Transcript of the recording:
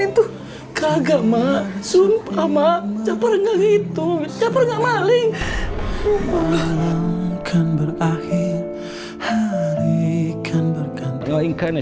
itu kagak maksud sama caperenga itu caperenga maling keberkahan ikan berkenten loing karena